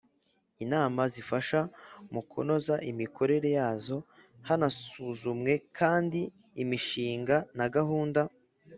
Inama zifasha mu kunoza imikorere yazo hanasuzumwe kandi imishinga na gahunda